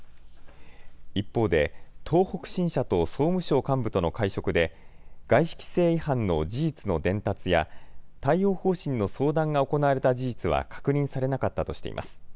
一方で東北新社と総務省幹部との会食で外資規制違反の事実の伝達や対応方針の相談が行われた事実は確認されなかったとしています。